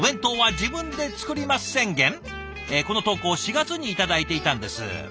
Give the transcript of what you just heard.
この投稿４月に頂いていたんです。